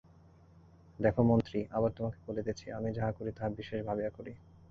দেখো মন্ত্রী, আবার তোমাকে বলিতেছি, আমি যাহা করি তাহা বিশেষ ভাবিয়া করি।